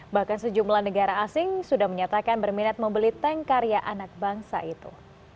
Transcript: bahkan sejumlah negara asing sudah menyatakan berminat membeli tank karya anak bangsa itu